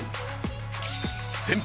先輩